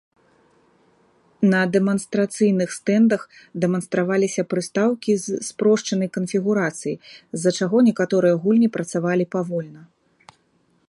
На дэманстрацыйных стэндах дэманстраваліся прыстаўкі з спрошчанай канфігурацыі, з-за чаго некаторыя гульні працавалі павольна.